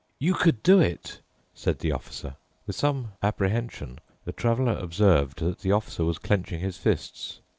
"You could do it," said the Officer. With some apprehension the Traveler observed that the Officer was clenching his fists.